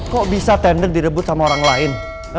kok bisa tender direbut sama orang lain